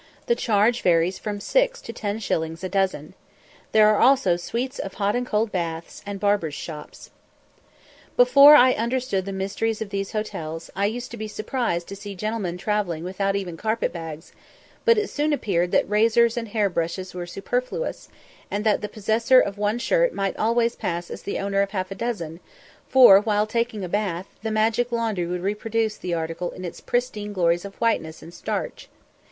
The charge varies from six to ten shillings a dozen. There are also suites of hot and cold baths, and barbers' shops. Before I understood the mysteries of these hotels, I used to be surprised to see gentlemen travelling without even carpet bags, but it soon appeared that razors and hair brushes were superfluous, and that the possessor of one shirt might always pass as the owner of half a dozen, for, while taking a bath, the magic laundry would reproduce the article in its pristine glories of whiteness and starch.